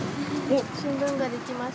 新聞ができました。